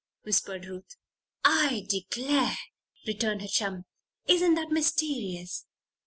whispered Ruth. "I declare!" returned her chum. "Isn't that mysterious?